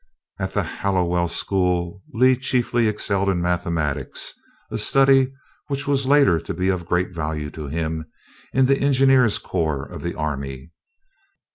At the Hallowell school, Lee chiefly excelled in mathematics, a study which was later to be of great value to him, in the engineers' corps of the army.